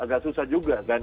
agak susah juga kan